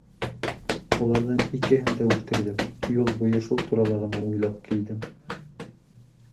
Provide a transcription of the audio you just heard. Уларҙың икеһен дә үлтерҙем, юл буйы шул турала ғына уйлап килдем.